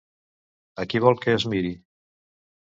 A qui vol que es miri?